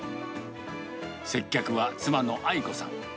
接客は妻の愛子さん。